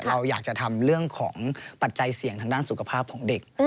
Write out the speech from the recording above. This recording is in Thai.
เราอยากจะทำเรื่องของปัจจัยเสี่ยงทางด้านสุขภาพของเด็ก